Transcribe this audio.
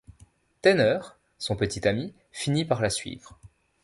Tanner, son petit ami, finit par la suivre.